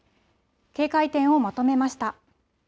警戒点をまとめました。